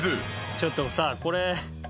ちょっとさこれ。